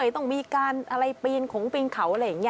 ต้องมีการอะไรปีนขงปีนเขาอะไรอย่างนี้